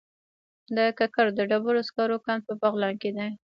د کرکر د ډبرو سکرو کان په بغلان کې دی